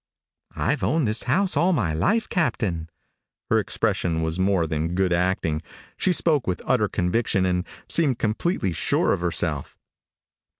"I've owned this house all my life, Captain." Her expression was more than good acting. She spoke with utter conviction, and seemed completely sure of herself.